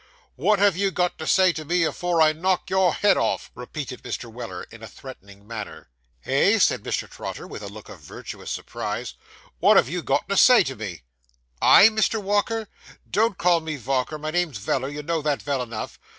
'What have you got to say to me, afore I knock your head off?' repeated Mr. Weller, in a threatening manner. 'Eh!' said Mr. Trotter, with a look of virtuous surprise. 'What have you got to say to me?' 'I, Mr. Walker!' 'Don't call me Valker; my name's Veller; you know that vell enough.